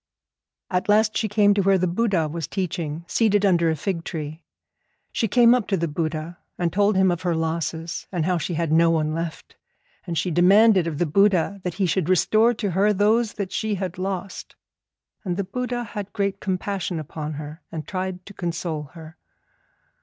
At last she came to where the Buddha was teaching, seated under a fig tree. She came up to the Buddha, and told him of her losses, and how she had no one left; and she demanded of the Buddha that he should restore to her those that she had lost. And the Buddha had great compassion upon her, and tried to console her.